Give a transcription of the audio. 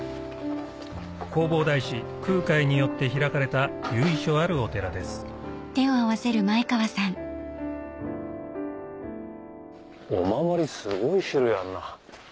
弘法大師空海によって開かれた由緒あるお寺ですお守りすごい種類あるな。